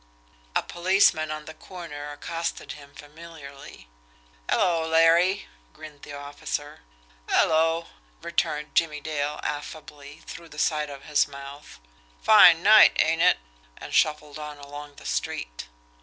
A policeman on the corner accosted him familiarly. "Hello, Larry!" grinned the officer. "'Ello!" returned Jimmie Dale affably through the side of his mouth. "Fine night, ain't it?" and shuffled on along the street.